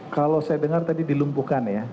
kalau saya dengar tadi dilumpuhkan ya